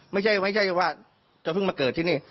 ไม่ใช่ว่าก็เพิ่งมาเกิดที่นี้